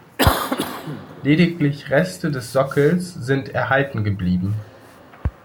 Lediglich Reste des Sockels sind erhalten geblieben.